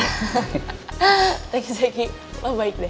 hahaha thank you zeki lo baik deh